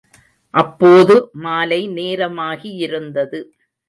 அப்போது மாலை நேரமாகியிருந்தது.